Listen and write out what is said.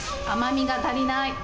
甘みが足りない！